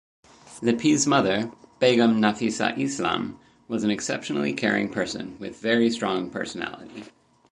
Lipi’s mother Begum Nafisa Islam was an exceptionally caring person with very strong personality.